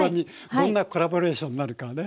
どんなコラボレーションになるかね。